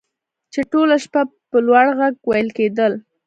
چې ټوله شپه په لوړ غږ ویل کیدل